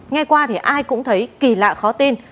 nghe qua thì ai cũng thấy kỳ lạ khó tin